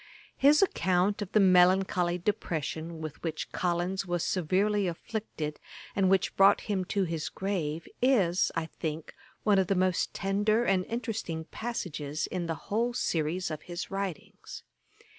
His account of the melancholy depression with which Collins was severely afflicted, and which brought him to his grave, is, I think, one of the most tender and interesting passages in the whole series of his writings.